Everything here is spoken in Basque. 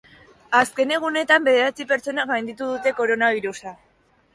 Azken egunetan, bederatzi pertsonak gainditu dute koronabirusa.